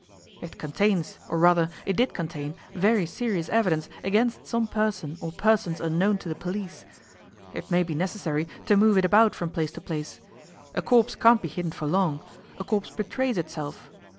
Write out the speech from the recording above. It contains, or rather, it did contain, very serious evidence against some person or persons unknown to the police. It may be necessary to move it about from place to place. A corpse can't be hidden for long; a corpse betrays itself.